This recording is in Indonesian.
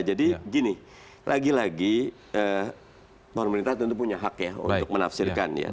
jadi gini lagi lagi pemerintah tentu punya hak ya untuk menafsirkan ya